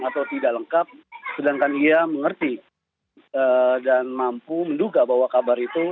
atau tidak lengkap sedangkan ia mengerti dan mampu menduga bahwa kabar itu